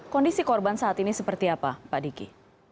kondisi korban saat ini seperti apa pak diki